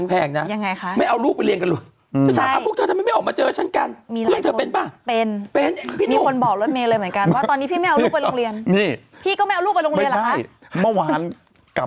เธอจะคิดหรือเปล่า